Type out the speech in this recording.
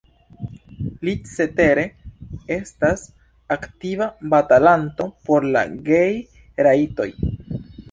Li cetere estas aktiva batalanto por la gej-rajtoj.